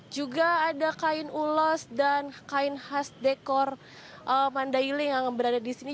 juga ada kain ulos dan kain khas dekor mandailing yang berada di sini